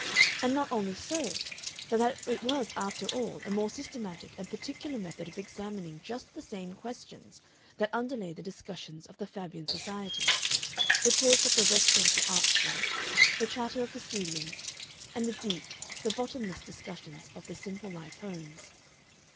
And not only so, but that it was after all, a more systematic and particular method of examining just the same questions that underlay the discussions of the Fabian Society, the talk of the West Central Arts Club, the chatter of the studios and the deep, the bottomless discussions of the simple life homes.